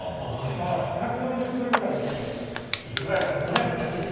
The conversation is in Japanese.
ドライバーだけで？